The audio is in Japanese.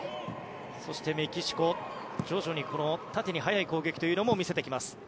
そして、メキシコ徐々に縦に速い攻撃を見せてきます。